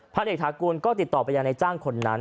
เอกฐากูลก็ติดต่อไปยังในจ้างคนนั้น